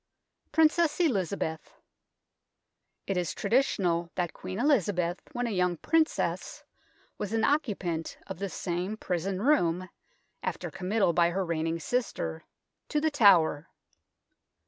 PRINCESS ELIZABETH It is traditional that Queen Elizabeth, when a young princess, was an occupant of this same prison room after committal by her reigning sister to The Tower.